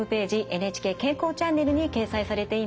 「ＮＨＫ健康チャンネル」に掲載されています。